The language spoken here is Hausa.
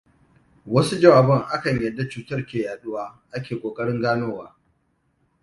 Wasu jawaban akan yadda cutar ke yaɗuwa ake kokarin ganowa.